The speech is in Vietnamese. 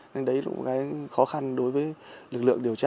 nên đấy là một cái khó khăn đối với lực lượng điều tra